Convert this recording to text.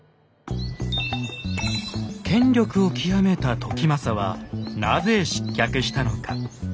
権力を極めた時政はなぜ失脚したのか。